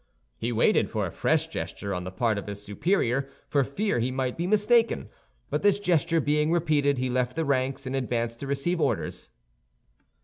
He waited for a fresh gesture on the part of his superior, for fear he might be mistaken; but this gesture being repeated, he left the ranks, and advanced to receive orders.